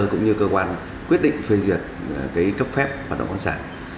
cũng như cơ quan quyết định phê duyệt cấp phép hoạt động quán sản